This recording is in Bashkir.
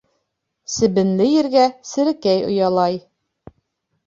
Себенле ергә серәкәй оялай.